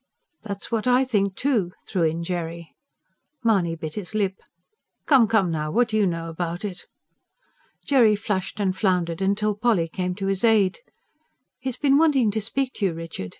"That's what I think, too," threw in Jerry. Mahony bit his lip. "Come, come, now, what do you know about it?" Jerry flushed and floundered, till Polly came to his aid. "He's been wanting to speak to you, Richard.